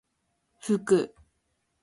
ふく